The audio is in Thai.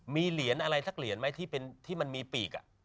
มีเหรียญอะไรสักเหรียญไหมที่มันมีปีก